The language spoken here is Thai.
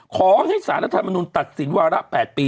ขอให้สารรัฐธรรมนุนตัดสินวาระ๘ปี